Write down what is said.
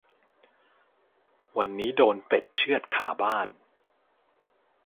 วันนี้โดนเป็ดเชือดคาบ้าน